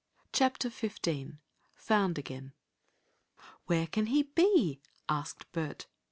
CHAPTER XV FOUND AGAIN "Where can he be?" asked Bert.